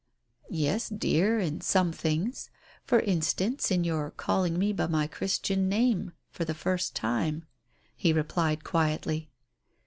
"Yes, dear, in some things — for instance in your calling me by my Christian name — for the first time," he replied quietly.